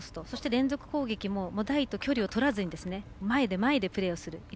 そして、連続攻撃も台と距離をとらずに前で前でプレーをする。